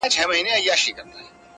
پنډ اوربوز بدرنګه زامه یې لرله -